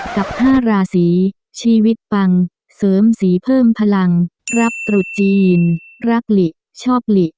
กับ๕ราศีชีวิตปังเสริมสีเพิ่มพลังรับตรุษจีนรักหลิชอบหลี